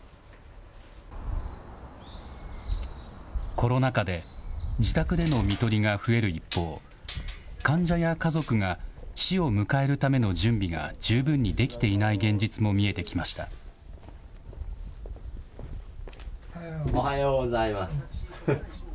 コロナ禍で、自宅でのみとりが増える一方、患者や家族が死を迎えるための準備が十分にできていない現実も見おはようございます。